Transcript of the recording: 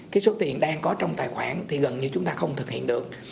cái số tiền đang có trong tài khoản thì gần như chúng ta không thực hiện được